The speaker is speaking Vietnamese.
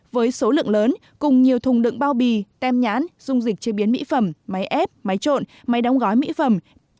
với số lượng lớn cùng nhiều thùng đựng bao bì tem nhãn dung dịch chế biến mỹ phẩm máy ép máy trộn máy đóng gói mỹ phẩm